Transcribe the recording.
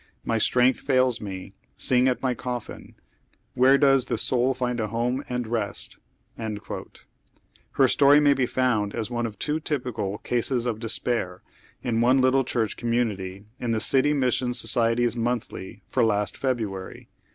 Mj strength fails me. Sing at my coffin: 'Where does the soul find a liome and rest ?'" Her story may be found as one of two typical " cases of despair " in one little cliur(;h community, in the Oity Mission Society's Monthly for last February.